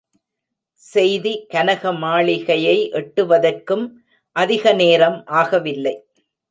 செய்தி கனக மாளிகையை எட்டுவதற்கும் அதிகநேரம் ஆகவில்லை.